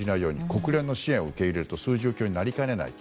国連の支援を受け入れるとそういう状況になりかねない。